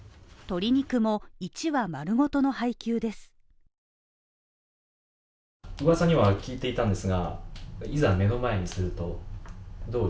鶏肉も１羽丸ごとの配給です。